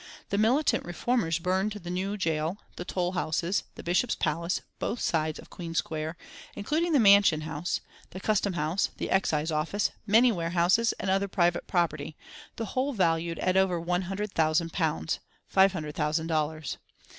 The militant reformers burned the new gaol, the toll houses, the Bishop's Palace, both sides of Queen's Square, including the Mansion House, the custom house, the excise office, many warehouses, and other private property, the whole valued at over £100,000 five hundred thousand dollars.